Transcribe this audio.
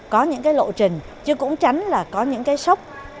có những cái lộ trình chứ cũng tránh là có những cái sốc